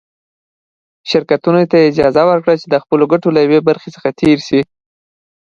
شرکتونو ته یې اجازه ورکړه چې د خپلو ګټو له یوې برخې تېر شي.